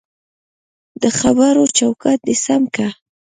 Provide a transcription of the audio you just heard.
دخبرو چوکاټ دی سم که